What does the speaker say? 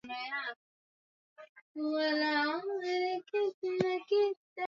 wakati huo eneo la kiutawala la sasa la mkoa kusini Mara na kaskazini Mara